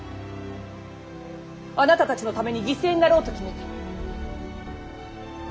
あなたたちのために犠牲になろうと決めた。